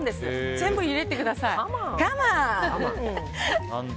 全部入れてください。